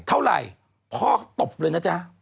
เท่าไหร่พ่อก็ตบเลยนะจ๊ะ